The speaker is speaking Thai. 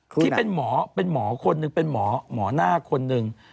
ที่เป็นหมอเป็นหมอคนหนึ่งเป็นหมอหมอหน้าคนหนึ่ง